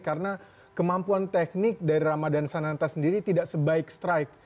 karena kemampuan teknik dari ramadhan sananta sendiri tidak sebaik strike